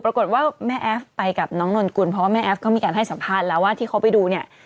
ปรากฏว่าแม่แอฟไปกับน้องนนกุลเพราะว่าแม่แอฟก็มีการให้สัมภาษณ์แล้วว่าที่เขาไปดูเนี่ย